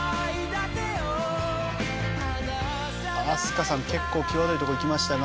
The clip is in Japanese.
飛鳥さん結構際どいところいきましたが。